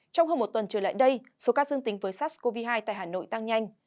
trong hơn một tuần trở lại đây số ca dương tính với sars cov hai tại hà nội tăng nhanh